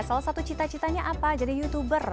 salah satu cita citanya apa jadi youtuber